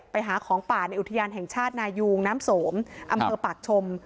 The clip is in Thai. ไปหาของป่าในอุทยานแห่งชาตินายุงน้ำสมอำเภอปากชม